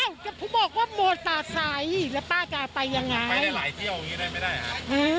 อ้าวก็พูดบอกว่าแล้วป้าจะไปยังไงไปได้หลายเที่ยวอย่างงี้ได้ไม่ได้อ่ะ